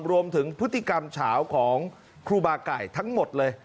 รวมถึงพฤติกรรมเฉาของครูบาไก่ทั้งหมดเลย